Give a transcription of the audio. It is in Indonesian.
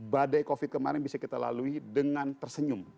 badai covid kemarin bisa kita lalui dengan tersenyum